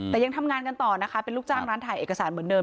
แต่ยังทำงานกันต่อนะคะเป็นลูกจ้างร้านถ่ายเอกสารเหมือนเดิ